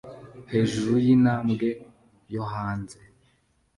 Hejuru yintambwe yo hanze